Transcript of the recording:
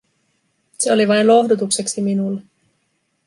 Se oli vain lohdutukseksi minulle.